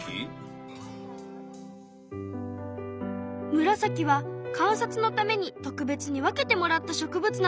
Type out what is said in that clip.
ムラサキは観察のために特別に分けてもらった植物なの。